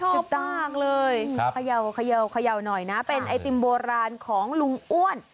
ชอบมากเลยครับขยาวขยาวขยาวหน่อยนะเป็นไอติมโบราณของลุงอ้วน